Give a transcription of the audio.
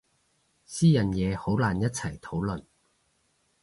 私人嘢好難一齊討論